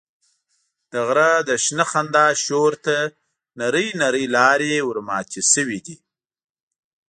د غره د شنه خندا شور ته نرۍ نرۍ لارې ورماتې شوې دي.